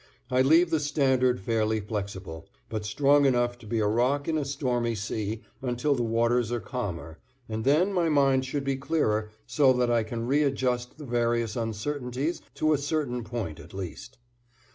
I leave the standard fairly flexible, but strong enough to be a rock in a stormy sea until the waters are calmer, and then my mind should be clearer so that I can readjust the various uncertainties to a certain point at least.